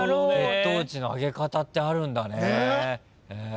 血糖値の上げ方ってあるんだね。